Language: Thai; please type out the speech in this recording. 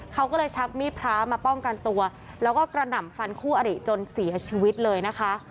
เขาก็เลยชักมีดพระมาป้องกันตัวแล้วก็กระหน่ำฟันคู่อริจนเสียชีวิตเลยนะคะ